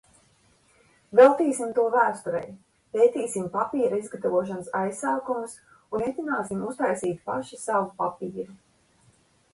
Veltīsim to vēsturei. Pētīsim papīra izgatavošanas aizsākumus un mēģināsim uztaisīt paši savu papīru.